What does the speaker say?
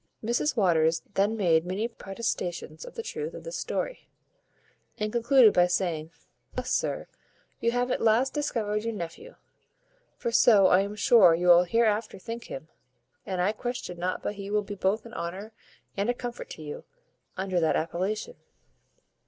Mrs Waters then made many protestations of the truth of this story, and concluded by saying, "Thus, sir, you have at last discovered your nephew; for so I am sure you will hereafter think him, and I question not but he will be both an honour and a comfort to you under that appellation."